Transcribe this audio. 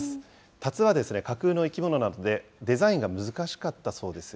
たつは架空の生き物なので、デザインが難しかったそうですよ。